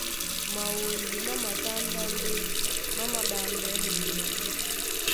Mawondi má matándá ndé má māɓambɛɛ́ munyuá.